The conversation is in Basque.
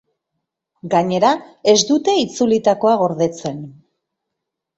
Gainera, ez dute itzulitakoa gordetzen.